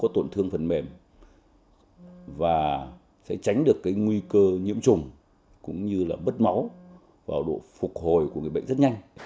trong phẫu thuật